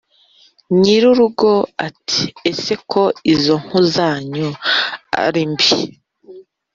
nyir’urugo ati: ‘ese ko ezo mpu zanyu ari mbi!’